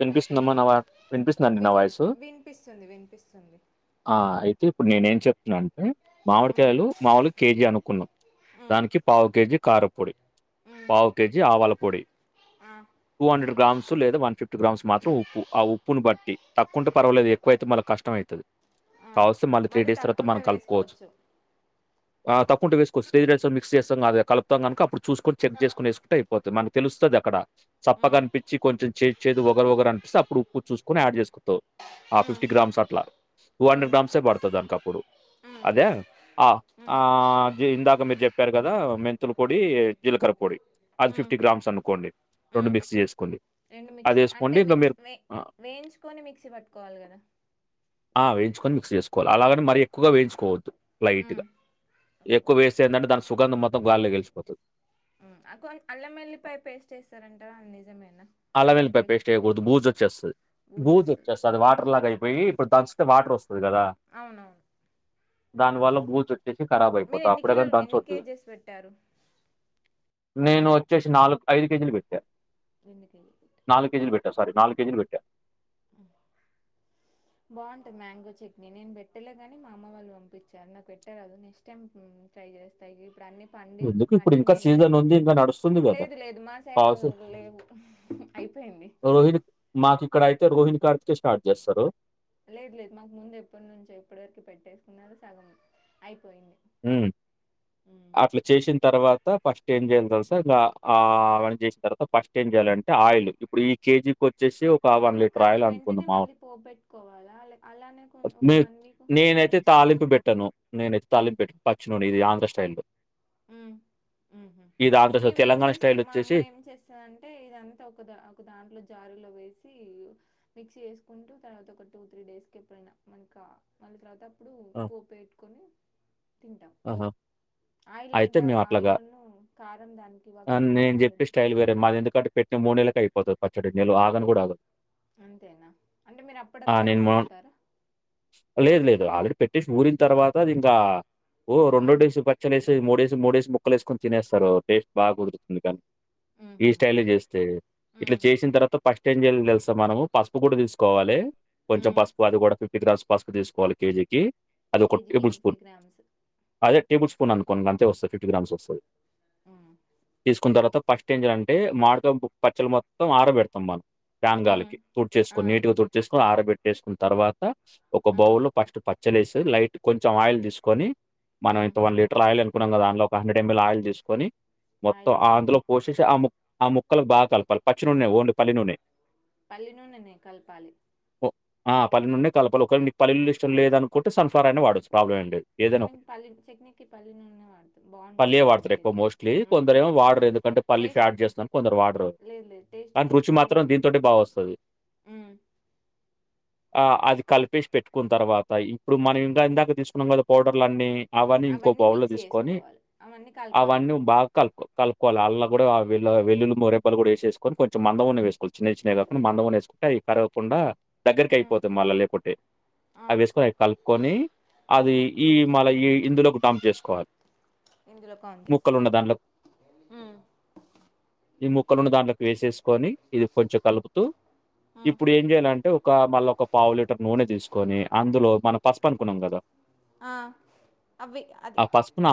విన్పిస్తుందమ్మ న వాయ్ విన్పిస్తుందండి న విన్ వాయ్సు వినిపిస్తుంది వినిపిస్తుంది ఆ ఐ తె ఇప్పుడ్ నేనేం చెప్నా అంటె ఉమ్, మామిడ్కాయలు మాములుగ్ కేజీ అనుకున్నాం ఉమ్, దానికి పావుకేజీ కారప్పొడి ఉమ్, పావుకేజీ ఆవల పొడి ఆ, టూ హండ్రెడ్ గ్రామ్సు లేదా వన్ ఫిఫ్ ట్ గ్రామ్స్ మాత్రం ఉప్పు ఆ ఉప్పును బట్టి తక్కువుంటె పర్వాలేదు ఎక్కువైతే మళ్ళ కష్టమైతది ఆ. కావల్స్తె మళ్ళి త్రీ మళ్ళీ డేస్ తర్వాత తక్కుంట మనం కల్పుకోవచ్చు వేసుకోవచ్చు ఆ తక్కుంటె వేస్కొ శ్రేస్ రేసో మిక్స్ చేస్తే గా అది కల్పుతాం గన్క అప్పుడ్ చూస్కోన్ చెగ్ జేస్కోనేస్కుంటె ఐపోద్ది మనక్ తెలుస్తదక్కడ అక్కడ ఉమ్, చప్పగన్పిచ్చి కొంచెం చేద్ చేద్ ఒగరు ఒగరు అన్పిస్తె అప్పుడు ఉప్పున్ చూస్కోని యాడ్ జేస్కుంటవ్ ఆ ఉమ్, ఫిఫ్టి గ్రామ్సట్ల టూ హండ్రెడ్ ఉమ్, గ్రామ్సే పడ్తదక్కప్పుడు ఉమ్, అదా అ ఉమ్, ఆ జె ఇందాక మీర్ జెప్పార్ గదా మెంతుల్ పొడీ జిలకర పొడి అది ఉమ్, ఫిఫ్టి గ్రామ్సనుకోండి రొండు ఉమ్. మిక్స్ జేస్కోండి రెండు మిక్సి అంటె మిక్స్ మిక్ వె వేయించుకోని మిక్సీ పట్టుకోవాలి గద ఆ వేయించుకొన్ మిక్స్ జేస్కోవల్ అలాగన్ మరీ ఎక్కువగా వేయించుకోవద్దు లైట్ గ ఉమ్. ఓకే ఎక్కువ్వేస్తే ఏందంటె దాన్ సుగంధం మొత్తం గాలొలో గెల్షిపోతది అకొన్ అల్లమెల్లిపాయ పేస్టేస్తారంట నిజమే అలవల్పాయ పేస్ట్ వెయ్యకూడదు బూజు వచ్చేస్తది బూజు వచ్చేస్తది అది వాటర్ లాగా పోయి ఇప్పుడు దాంసతే వాటర్ వస్తుంది అవునవును దాని వల్ల బూజు వచ్చేసి ఖరాబ్ మీరు అయిపోతా ఎన్ని అప్పుడే కానీ కిలోలు దాని ఎన్ని చూదు కేజెస్ పెట్టారు [inaudible] నేను వచ్చేసి నాలుగు ఐదు కేజీలు పెట్టా రెండు కేజీ నాలుగు కేజీలు పెట్టా సారీ నాలుగు కేజీలు పెట్టా [inaudible] బాగుంటుంది మ్యాంగో చట్నీ నేను పెట్టలే గాని మా అమ్మ వాళ్ళు పంపించారు నాకు పెట్టరాదు నెక్స్ట్ టైమ్ ట్రై చేస్త ఇవి ఇప్పుడన్ని పండి ఎందుకు ఇప్పుడు ఇంకా పండినేయి కద సీజన్ ఉంది ఇంకా నడుస్తుంది కదా లేదు లేదు మా సైడ్అవి లేవు హు అ రోహిణ మాకు ఇక్కడ అయితే రోహిణి కార్తికె స్టార్ట్ జేస్తరు లేదు లేదు మాకు ముందు ఎప్పటి నుంచో ఎప్పటి వరకు పెట్టేసుకున్నారో సగం అయి మ్ అట్ల చేసిన తర్వాత ఫస్ట్ ఏం చేయాలి తెలుసా అ చేసిన తర్వాత ఫస్ట్ ఏం చేయాలంటే ఆయిల్ ఇప్పుడు ఈ కేజీ కోట్ అంటే కాదు వెంటనే మళ్ళీ పోబెట్టుకోవాలా లేక అలానే ఒక నే వన్ వీక్ నేనైతే తాలింపు పెట్టను నేనైతే ఉమ్ తాలింపు పె పచ్చినూనె ఇది ఆంధ్ర స్టైల్లో [inaudible] మేమ్ ఎమ్ చేస్తా మా అమ్మ ఏం చేస్తాదంటే ఇదంతా ఒక ఒక దాంట్లో జారులో వేసి మిక్సీ చేసుకుంటూ తర్వాత ఒక టూ త్రీ డేస్ కి ఎప్పుడైనా మనక మళ్ళీ తర్వాత ఇప్పుడు పోప్ పెట్టుకొని అహ ఆయిల్ అంతా ఆయిల్ను కారం దానికి వక్కకు పట్టాలె మూడు నెల్లకి అయిపోతది పచ్చడి నెలు ఆగను కూడా ఆగదు అంతేనా అంటే మీరు ఆ! అప్పుడప్పుడే నేను మొ పెట్టుకుంటారా లేదు లేదు. ఆల్రెడీ పెట్టేసి ఊరిన తర్వాత అది ఇంకా ఓ రెండో హ్మ్. డేస్ పచ్చ మూడేసి మూడేసి ముక్కలు ఏసుకని తినేస్తారు టేస్ట్ బాగా కుదురుతుంది కానీ ఈ హుహు. స్టైల్ చేస్తే ఇట్లా హ్మ్. చేసిన తర్వాత ఫస్ట్ ట్లేజేయాలె తెలుస మనము పసుపు గుడా తీసుకోవాలె కొంచెం హ్మ్. పసుపు అది కూడా ప్ ఇక్కడ రాజ్ పస్పు తీసుకోవాలి కేజీకి అదొక కేజీకిి టేబుల్ ఫిఫ్టీ స్పూన్. గ్రామ్స్ అదే టేబుల్ స్పూన్ అనుకోను అంతే వస్తది ఫిఫ్టీ గ్రామ్స్ టేబుల్. వస్తది హ్మ్. తీసుకున్న తర్వాత ఫస్ట్ ఏఎంజేయ్యాలె అంటే మాడుతో పచ్చలు మొత్తం ఆరబెడతాం మనం ఫ్యాన్ హ్మ్. గాలికికి ఆ! తుడ్చేసుకొని నీటుగా తుడిచేసుకొని ఆరబెట్టేసుకున్న తర్వాత ఒక హ్మ్. బౌల్లో ఫస్ట్ పచ్చలేసి లైట్ కొంచెం ఆయిల్ తీసుకొని మనం హ్మ్. ఇంత వన్ లీటర్ ఆయిల్ అనుకున్నాం గదా దానిలో ఒక హండ్రెడ్ ఎంఎల్ ఆయిల్ తీసుకొని ఆయిల్ మొత్తం తీసుకొని అందులో పోసేసి ఆ ఆ ముక్కలు బాగా కలపాలి పచ్చి నూనె ఓన్లీ పల్లి నూనె పల్లి నూనెనే కలపాలి ఓ ఆ పల్లి నుండి కలపాల ఒకవేళ నీకు పల్లినూనె ఇష్టం లేదనుకుంటే సన్ఫ్లవర్ అయిన్న వాడచ్చు ప్రాబ్లమ్ లేదు ఐ ఏదైనా మీన్ ఒకటి. పల్లి చట్నీకి పల్లీ నూనె వాడుత బాగుంటది పల్లీయే వాడతారు వాటికె ఎక్కువ మ్ మ్ టేస్ట్ చేస్తను కొందరు వాడరు లేదు లేదు కానీ టేస్ట్కి రుచి మాత్రం చట్నీస్కి దీంతోటి బాగ వస్తది ఉమ్ [inaudible] ఆ అది కలిపేసి పెట్టుకున్న తర్వాత ఇప్పుడు మనం ఇంకా ఇందాక తీసుకున్నాం కదా పౌడర్లు అన్ని అవన్నీ ఇంకో బౌల్లో మిక్స్ తీసుకొని చేసుకోవాలి అవన్నీ కలపాలి అవన్నీ బాగా కలుప్కో కలుపుకోవాలి అల్లా కూడా వెల్ వెల్లుల్లీ రెబ్బలు కూడా వేసేసుకొని కొంచం మందమున్న వేసుకో చిన్న చిన్నవి కాకుండా మందమున్నాయి ఎసుకో ట్టాయి తడవకుండా దగ్గరికి ఉమ్ అయిపోతుాంది మళ్ళా లేకుంటే ఆ అవి వేసుకొని అవి కలుపుకొని అది ఉమ్ ఈ మళ్ళ ఈ ఇందులోకి డంప్ చేసుకోవాలి ఇందులో కాంగ్రెస్ మ్ కొనిన్ని దాంట్లోకి వేసేసుకొని ఇది కొంచెం కలుపుతూ ఉమ్ ఇప్పుడు ఏం చేయాలంటే ఓక్ ఒక మల్లా ఒక పావు లీటర్ నూనె తీసుకొని అందులో మనం పసుపు అనుకున్నాం కదా ఆ అవి అది ఆ పసుపున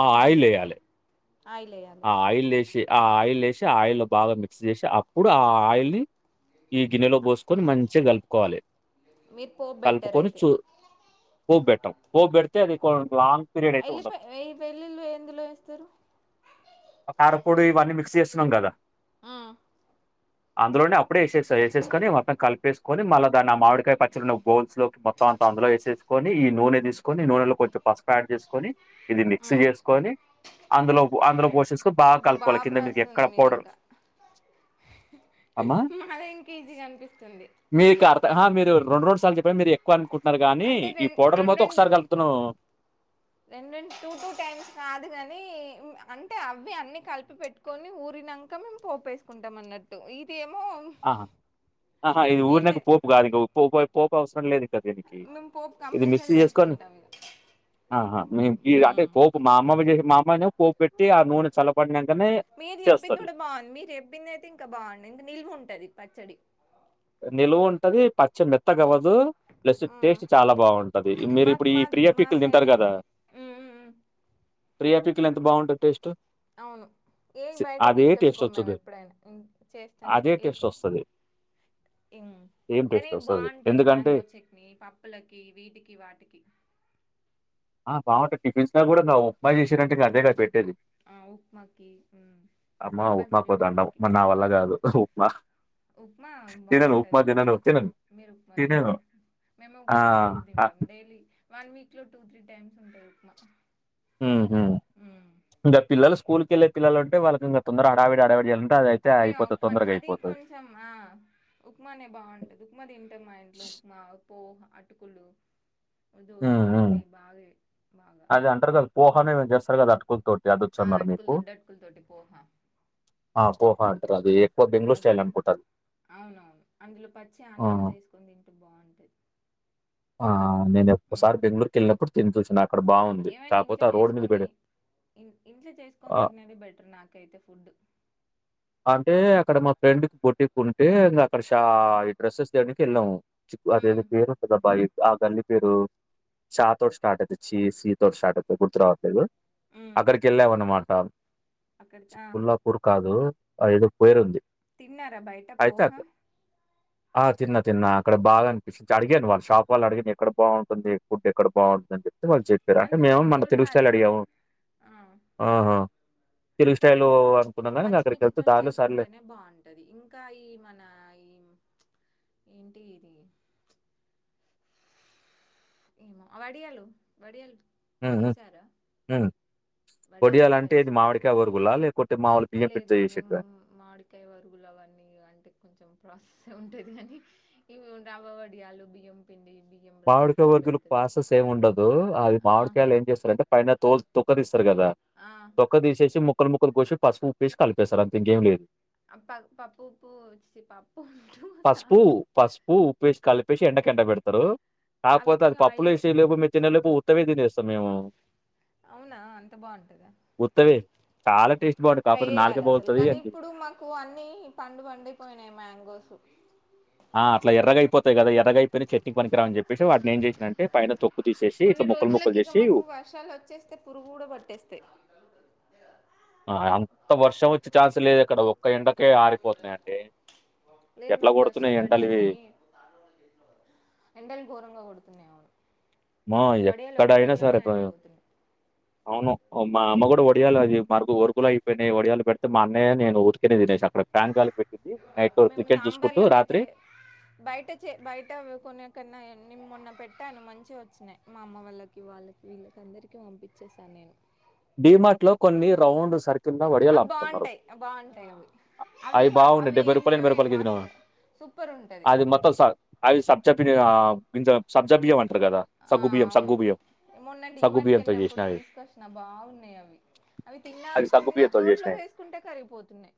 ఆ ఉమ్ ఆయిల్ ఎయాలె ఆయిల్ వేయాలి ఆ ఆయిల్ వేసి ఆ ఆయిల్ వేసి ఆ ఆయిల్ బాగా మిక్స్ చేసి అప్పుడు ఆ ఆయిల్ని ఈ గిన్నెలో పోసుకొని మంచిగా కలుపుకోవాలి మీరు పోపు బెట్టారు కలుపుకొని అయితే చూ పోప్బెట్టడం పోప్ బె ఎల్లి పాయ ఎల్లి వెల్లుల్లీ ఎందులో వేస్తారు కారప్ పొడి ఇవన్నీ మిక్స్ చేస్తున్నాం కదా ఆ అందులోనే అప్పుడేసే చేసేసుకొని మొత్తం కలిపేసుకొని మళ్ళా నా మామిడికాయ పచ్చలు గోల్స్ లో మొత్తం అంత అందులో వేసేసుకొని ఈ నూనె తీసుకొని నూనెలో కొంచెం పసుపు యాడ్ చేసుకొని ఇది మిక్స్ ఉమ్ చేసుకొని అందులో అందులో పోషని బాగా బో కలుకోవాలి కింద మీకు ఎక్కడ రాస్తుంది మీది పోడరు ఇంకా అమా మాదే ఇంకా ఈజీగా అనిపిస్తుంది మీర్ త మేర రెండు రెండు సార్లు చెప్పా మీరు ఎక్కువ అనుకుంటున్నారు కానీ ఈ పోడర్ల మతో ఒకసారి కలుగుతాను రెండుండి టూ టూ టైమ్స్ కాదు కాని అంటే అవి అన్ని కలిపి పెట్టుకొని ఊరినాంక మేము పోపేసుకుంటాం అన్నట్టు ఇదిే ఆహా ఆహా ఇది ఏం ఊరినక లేదు పోపు కాదు ఇంకా పోపు అవసరం లేదు ఇంక దీనికి. మేము పోపు ఇది కంపల్సరీ మిక్స్ చేసుకొని పెట్టుకుంటాం ఇద ఆహా మేము అంటే పోపు మా అమ్మయి చే మా అమ్మ పోపు పెట్టి ఆ నూనె చల్లపడి మీరు చెప్పింది కూడా బాగుంది మీరు చెప్పింది అయితే ఇంకా బాగుంది ఇంకా నిల్వు ఉంటుంది ఉంటది పచ్చడి నిలువు ఉంటది పచ్చ మెత్తగవ్వదు ప్లస్ ఉమ్. టేస్ట్ చాలా బాగుంటది మీరు మాకు ఇప్పుడు ఈ మా ప్రియా మా పీకులు తింటారు సైడే కదా ఉమ్, ఉమ్, ఉమ్. ప్రియా పికెళ్లు ఎంత బాగుంటుంది టేస్ట్ అవును ఏ స్ బయట అదే టేస్ట్ తీసుకొచ్చుకోము మేము వచ్చుద్ది. ఎప్పుడైనా చేస్తేనే అదే టేస్ట్ లేకపో వస్తది. ఇం సేమ్ కానీ టేస్ట్ వస్తది. బాగుంటది ఎందుకంటే మ్యాంగో చట్నీ పప్పులకి వీటికి వాటికి ఆ బాగుంట టిఫిన్స్ కూడా ఉప్మాయి చేసారంటే అదేగా పెట్టేది ఆ ఉప్మాకి అమ్మ కంపల్సరి ఉప్మాకో ఉప్మాకి ప్రైస్ తిన్నాను ఉప్మా తిన్నాను మీరు ఉప్మా తినారా మేమే ఉప్మా ఎప్పుడు అ తింటాం డైలీ వన్ వీక్ లో టూ త్రీ టైమ్స్ ఉంటాయి ఉప్మా మ్మ్ ఇంకా పల్లలు స్కూల్కి వెళ్ళ పిల్లలు అంటే వాళ్ళకి ఇంకా తొందర ఆడావిడి ఆడావిడి చేల అయితేయి అండి మేము ఉప్మా అది కొంచెం ఆ ఉప్మానే బాగుంటది ఉప్మా తింటే మా ఇంట్లో ఉప్మా ఉ పోహా అటుకులు దోశ హ్మ్. హ్మ్. ఇడ్లీ బాగా బాగా అది అంటారు కదా పోహానే చేస్తారు కదా అ ల్ తటి అది ఆ వచ్చన్నారు అటుకులు మీకు దొడ్డు అటుకుల తోటి పోహ పోహా అంటారు అది బెంగళూరు అది స్టైల్ కూడానా అనుకుంటారు అవునవును అందులో పచ్చి ఆనియన్స్ వేసుకొని తింటూ బాగుంటది ఆ నేను ఉమ్ ఒక్కసారి బెంగళూరుకి వెళ్ళినప్పుడు తిని చూచిన అక్కడ బావుంది. ఏమైనా కాకపోతే ఇంట్లో ఆ రోడ్ మీద చేసుకొని పెడి ఇంట్లో చేసుకొని తిన్నేది బెటర్ నాకైతే ఫుడ్ ఆంటి తే అక్కడ మా ఫ్రెండ్ కి బొట్టి కు ఉంటే ఇంకా అక్కడ షా ఈ డ్రస్సెస్ దేడానికి వెళ్ళాము. అదే మి ఉమ్ పేరుండదా పది ఆ గన్నీ పేరు చాతోటి స్టార్ట్ అయితేచ్చి సీ తోటి స్టార్ట్ అయితే గుర్తురావాలి. దు ఉమ్ అక్కడికి వెళ్ళావ అన్నమాట అక్కడికి చి ఆ పల్లా పూర్ కాదు ఐదు పేరు తిన్నారా బయట పోహ? ఆ తిన్న తిన్నా అక్కడ బాగా అనిపించింది అడిగాను వాళ్ళు షా వాల్ళ అడిగిన ఎక్క బాగుంటుంది ఫుడ్ ఎక్కడ బాగుంటుందడి. మాళ చెప్పారు అంటే అందులో మేము మన బోల్ తెలుగు స్టాల్ పాలలు అడిగాము ఆ ఆహ తెలు పో అనుకున్న పచ్చిమిర్చితం చేసుకుంటేనే బావుంటది ఇంకా ఈ మన ఈ ఏంటి ఇది? ఏమో వడియాలు వడియాలు ఆహా చేసారా ఉ వడియాలు వడియాలంటే పెట్టచ్చు ఇది మామిడికాయ వరుగుల్లా లేపోతే లేదు లేదు మేము మాడికాయ వరుగులు అవన్నీ అంటే కొంచెం ప్ర ఆ ఉంటది కాని ఇవి రాబ వడియాలు బియ్యం పిండి బియ్యం మామిడికాయ రైస్తో వర్గులు పెడతారు పాసెస్ ఏమి ఉండదు అది ఆ మామిడికాయలు ఏం చేస్తారంటే పైన తోలు తొక్కదిస తారు కదా ఆ తొక్క తీసేసి ముక్కలు ముక్కలు కోసి పసుపు ఉప్పేసి కలిపేస్తారు అంతే ఇంకేం లేదు. అప్ప పప్పు ఉప్పుూ వి పప్పు ఉంట సాల్ట్ చెప్పేసి ఎండక ఎండ పెడతారు కాకపోతే అవిటిని అది పప్పులు ఆయిల్లో వేసి లేపు మేము తినేపు ఉత్తమే తినేస్తాం మేము. అవునా అంత బావుంటద ఉత్తవే చాలా టేస్ట్ బా ట్రై చేయాలి అసలు కానీ ఇప్పుడు మాకు అన్ని పండు పండియిపోయినాయి మ్యాంగోస్ ఆ అట్ల ఎర్రగయిపోతాయి కదా ఎర్రగైపోయినా చెట్టి పనికిరామని చెప్పేసి వాటిని ఏం చేసినంటే పైన తొక్కు తీసేసి కొన్ని ఇట్లా ముక్కలు ముక్కలు రోజులకి ఇక చేసి మాకు వర్షాలు వచ్చేస్తే పురుగు కూడా పట్టేస్తే ఆ అంత వర్షం వచ్చే ఛాన్స్ లేదు ఇక్కడ ఒక్క ఎండకే ఆరిపోతున్నాయి అండి. లేదు మాకు వర్షాలు పడి అన్ని ఎండలు ఘోరంగా పడుతున్నావు. మోయ్ ఏక్కడయినా సరే తను అండిపోతున్నాయి అవును మా అమ్మ కూడా ఒడియాయలు అది మరుగు వరుకులు అయిపోయి వడియాలు పెడితే మా అన్నయ్య నేను ఊరికునే దినేష్ అక్కడ ఫ్యాన్ కలి పె మేము సాంబార్లకయితే బయట చే బయట కొనేకన్నా నేను మొన్న పెట్టాను మంచి వచ్చినాయి మా అమ్మ వాళ్ళకి వాళ్ళకి వీళ్ళకి అందరికీ పంపించేసాను నేను డిమార్ట్ లో కొన్ని రౌండ్ సర్కి అవి బావుంటాయి బావుంటాయి అవి అవి బావుండయి డెబ్బై రూపాయలు ఏంటియో ఎనభై రూపాయలు ఏమో గదినవు అసలు సూపర్ ఉంటుంది అది మొత్తం అవి సబ్జెక్ట్ మియావ్ వింజ సబ్జబియాం కదర ఆ, సగ్గుబియ్యం అవును సగ్గుబియ్యం మొన్న సగ్గుబియ్యంతో చేసినవి. అవున్నాయి అవి అవి తిన్నా తిన్నా బియ్యంతో నోట్లో వేసుకుంటే కరిగిపోతున్నాయి.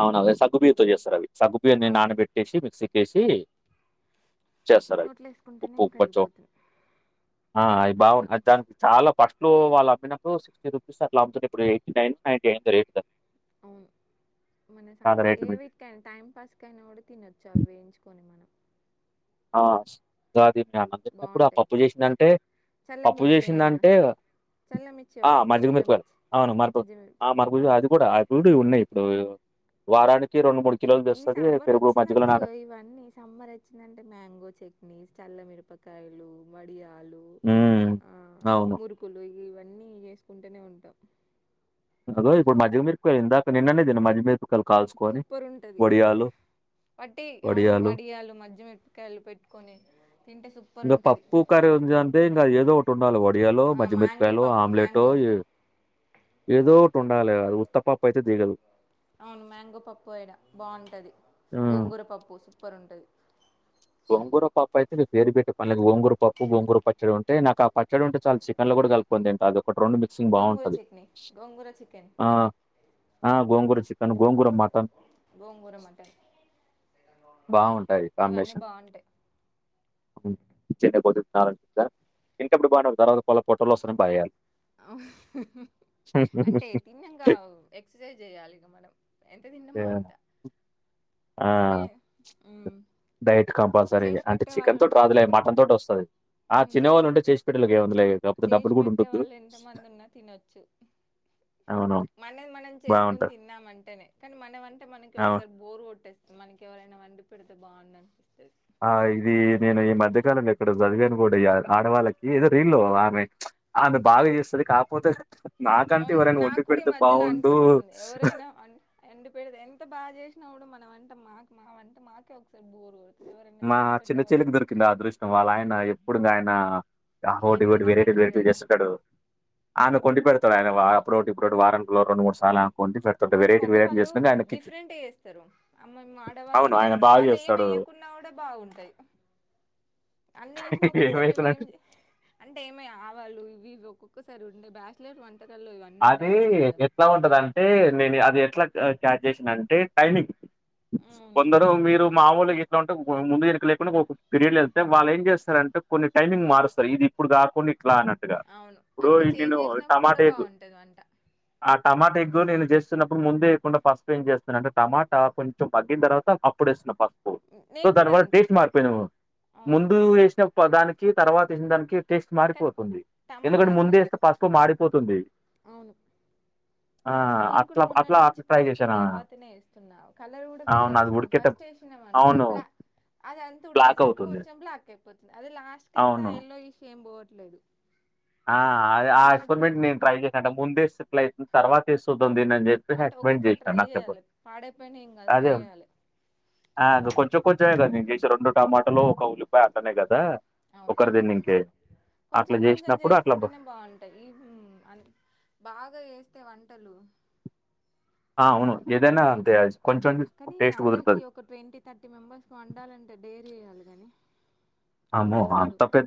అవున అవే సగ్గుబియ్యతో చేస్తారు అవి సగ్గుబియన్ని అవును నానబెట్టేసి మిక్సీకేసి చేస్తారు అవి నోట్లో వేసుకుంటేనే ఉప్పుప్పుకోచ్చో కరిగిపోతుంది ఆ అయి బాగున్నా దానికి చాలా ఫస్ట్ లో వాళ్ళ అమ్మిన సిక్స్టీ రూపీస్ అట్లా అంది ఇప్పు eighty nine nine rate sir అవును మన సా రేట్లు ఏ పెంచి వీటికైనా టైం పాస్ కైనా కూడా తినొచ్చు అవి వేయించుకొని మనం ఆ గా ఇది మీ అన్నం తిన్నప్పుడు ఆ బాగుంటాయి పప్పు చేసింది అంటే పప్పు చల్లమిర్చి చేసింది అయినా అంటే చల్లమిర్చి ఆ వచ్చు మజ్జిగ మిరపకాయల్ చల్లమిర్చి అవును మరపు మంచి ఆ మరపు అవ్- అది కూడా అది ఉన్నాయి ఇప్పుడు వారానికి కిలోలు ఈ తెస్తది. సమ్మర్ పెరుగు, మజ్జిగలో వచ్చిందంటే నాన ఇగో ఇవన్నీ సమ్మర్ వచ్చిందంటే మ్యాంగో చట్నీస్ చల్లమిరపకాయలు వడియా ఉ అవును అన్నీ చేసుకుంటూనే ఉంటాం అదో ఇప్పుడు మజ్జిగ మిరపకాయ్ ఇందాక నిన్ననే తిన మజ్జిగ మీరపకాయల్ కాల్సుకొని సూపర్ ఉంటుంది వడియాలు వట్టి అవును వడియాలు మజ్జిమిరపకాయలు పెట్టుకొని తింటే సూపర్ ఇంగ ఉంటుంది పప్పు కర వజాంటే ఇంగ ఏదో ఒక ట్ ఉండాలి వడియాలో మజ్జిగ మ్యాంగో మిరకాయలు పప్పు ఆమ్లెటో మ్యాంగో ఇ ఏదోటి ఉండాలి కదు ఉత్తపప్పు అయితే దిగదు అవును మ్యాంగో పప్పు యడ బాంటది ఆ గోంగూర పప్పు సూపర్ ఉంటది గోంగుర పప్పు అయితే మీ పేరు పెట్టే పనిలేదు ఒంగూర పప్పు బోంగూర పచ్చడి ఉంటే నాకు ఆ పచ్చడి ఉంటే చాలు చికెన్లో కల్కొని తంట అది ఒకటి రెండు మిక్సింగ్ గోంగూర బాగుంటది చట్నీ గోంగూర చికెన్ ఆ గోంగూరి చికెన్ తను గోంగూర మటన్ గోంగూర మటన్ బాగుంటాయి ఇవన్నీ కాంబినేషన్ బాగుంటాయి చెపోదు ఇంకప్పు బాగు తర్వాత కొల పోటొలు వస్తాని బాగాయాలి అ అంటే తిన్నంక ఎక్సర్సైజ్ జేయాలి ఇగ మనం ఎంత తిన్నామో అంత ఆ మే మ్మ్ డైట్ కంపల్సరీ చేసి అంటే పెట్టే వాళ్ళు చికెన్ తోటి ఉంటే రాదులే ఎంత మటన్ తోటి వస్తది ఆ చిన్నవాళ్ళు ఉంటే చేసి పెట్టే వాళ్ళకి ఏముందిలే కాకపోతే చేసి డబ్బులు కూడా పెట్టే ఉండద్దు వాళ్ళు ఎంతమంది ఉన్నా తినొచ్చు మనది మనం చేసుకుని తిన్నామ అంటేనే కానీ మనం అంటే మనకి అవును ఒకసారి బోరు కొట్టేస్ మనకి ఎవరైనా వండి పెడితే బాగుందం ఆ ఇది నేను ఈ మధ్యకాలంలో ఎక్కడో చదివాను కూడా ఆడవాళ్ళకి ఏదో రీల్లో ఆమె ఆమె బాగా చేస్తది కాకపోతే నాకంటే ఎవరైనా నా వండి కూడా ఈ పెడితే మధ్యలో బావుండు. అనిపిస్తుంది ఎవరైనా ఎండిపడద ఎంత బాగా జేసినా కూడా మన అంటే మా మా అంటే మాకే ఒకసారి బోరు కొడుతుంది ఎవరైనా మా చేసి చిన్న పెట్టే వాళ్ళు చెల్లికి ఉంటే దొరికింది ఆ అదృష్టం వాళ్ళ ఆయన ఎప్పుడు ఆయన అవోటి ఇవోటి ఎంతైనా వెరైటీ బెటరే వెరైటీ కదా చేస్తుంటడు ఆను కొండి పెడతాడు ఆయన వా అప్పుడోటి ఇప్పుడోటి వారాంకిలో రెండు మూడు సాలా అంటే మగవాళ్ళు డిఫరెంట్ చేస్తరు అమ్ ఆడవాళ్ళ అవును. ఆయన మేము బాగా వాళ్ళు చేస్తాడు. ఏమియ్యకు వడ భాగ ఉంటయి అన్ని ఏసిన ఒక్కొక్కసారి మేము ఏం ఏమైతుందంటే అంటే ఏమి ఆవాలు ఇవి ఒ ఒక్కసారి ఉండే బ్యాచలర్ వన్ అది ఎట్లా ఉంటద అంటే నేను అది ఎట్ల క్యాచ్ జేసినా అంటే టైమింగ్ అవును కొందరు మీరు మామూలుగా ఇట్ల ఉంటే ముందుకు లేకుండా ఒక పిరియడ్ వెళ్తే వాళ్ళు ఏం చేస్తారండి అంటే కొన్ని టైమింగ్ మారుస్తారు ఇది ఇప్పుడు కా కొన్ని అట్లా అన్నట్టుగా అవును ఇప్పుడు అట్లా నేను చేంజ్ చేసినప్పుడు కూడా టమాటా ఎ బాగుంటది వంట ఆ టమాటా ఎ నేను చేస్తున్నప్పుడు ముందు వేయకుండా ఫస్ట్ ఏం చేస్తున్నాను అంటే టమాటా కొంచెం తగ్గిన తర్వా అప్పుడు వేస్తున్నాను ఫస్ట్ సో నేను కూడా దానివల్ల అంతే టేస్ట్ మారిపోయినాము అవును ముందు వేసిన దానికి తర్వాత వేసిన దానికి టేస్ట్ కానీ మారిపోతుంది టమాటా ఎందుకంటే అంది ముందేస్తే పసుపు మారిపోతుంది అవును నేను కూడా అట్లా మొన్నటి అట్లా నుంచి అట్లా ట్రై పసుపు చేశాను తర్వాతనే వేస్తున్నా కలర్ కూడా వేరే అవును అది వస్తుంది ఉడికేట ఫస్ట్ వ సినిమాలు అవును కోబ్లా అది అంత బ్లాక్ ఉడికేసరికి అవుతుంది కొంచెం బ్లాక్ అయిపోతుంది అది లాస్ట్ కేస్త అవును హైల్లో ఇష్యూ ఏం పోవట్లేదు ఆ ఆ బాగుంటుంది ఎక్స్పెరిమెంట్ నేను ట్రై చేసకుంట ముందేట్ అతుంది తర్వాత ఇస్తుతుంది అంటే ఒక్కొక్కసారి ట్రై చెయ్యాలి పాడైపోయినా ఏం కాదు ట్రై చేయాలి అ కొంచెం కొంచెంగదు రెండు టమాటోలు ఒక ఉల్లిపాయ అటనే కదా ఒకరి దీన్ని ఇంకే అట్లా చేసి ఇంట్లో చేసుకుంటేనే బాగుంటాయి ఈ బాగా చే వంటలు ఆ అవును ఏదనా అంతే అజ్ కానీ అందరికి ఒక ట్వంటీ థర్టీ మెంబర్స్ వండాలంటే డేరీ చేయాలి కాని ఏమో ఆ పెద్ద